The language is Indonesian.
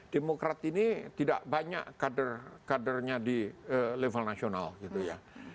demokrat ini tidak banyak kadernya di level nasional gitu ya